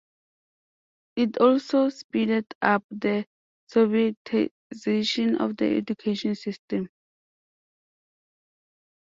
It also speeded up the Sovietization of the education system.